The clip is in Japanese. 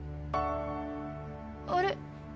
あれ？